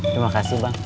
terima kasih bang